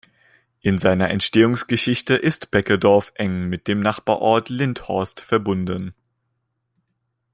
In seiner Entstehungsgeschichte ist Beckedorf eng mit dem Nachbarort Lindhorst verbunden.